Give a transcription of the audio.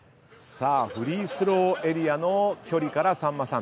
さあフリースローエリアの距離からさんまさん。